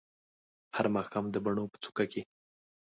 هر ماښام د بڼو په څوکو کې